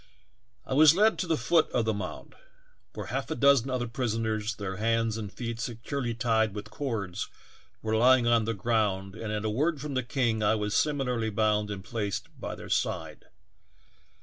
" I was led to the foot of the mound, where half a dozen other prisoners, their hands and feet seeurely tied with eords, were lying on the ground and at a word from the king I was similarly bound and placed by their side.